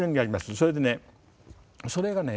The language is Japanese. それでそれがね